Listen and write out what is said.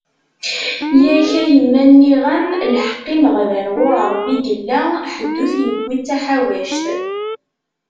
Yak a yemma nniɣ-am, lḥeq imeɣban, ɣur Rebbi i yella, ḥedd ur t-yewwi d taḥawact.